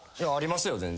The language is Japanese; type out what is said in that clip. ありますよ